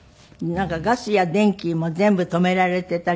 なんかガスや電気も全部止められていた状態。